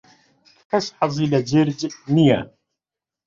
کەس حەزی لە جرج نییە.